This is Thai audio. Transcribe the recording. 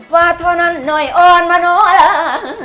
วัทธนันหน่อยโอนมะโนลา